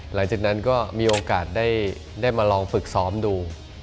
หลังจากนั้นก็มีโอกาสได้มาลองฝึกซ้อมดู